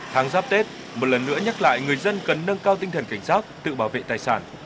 tháng giáp tết một lần nữa nhắc lại người dân cần nâng cao tinh thần cảnh sát tự bảo vệ tài sản